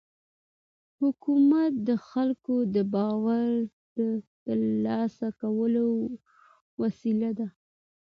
خدمت د خلکو د باور د ترلاسه کولو وسیله ده.